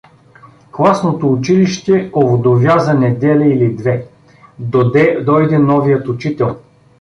Класното училище овдовя за неделя или две, доде дойде новият учител.